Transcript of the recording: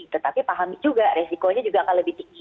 tetapi pahami juga resikonya juga akan lebih tinggi